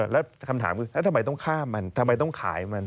แล้วคำถามคือแล้วทำไมต้องฆ่ามันทำไมต้องขายมัน